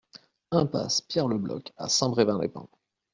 Impasse Pierre Le Bloch à Saint-Brevin-les-Pins